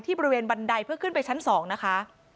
บริเวณบันไดเพื่อขึ้นไปชั้น๒นะคะ